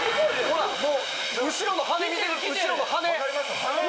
ほらもう後ろの羽根見てる後ろの羽根ほら！